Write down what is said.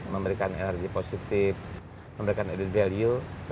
memberikan energi positif memberikan added value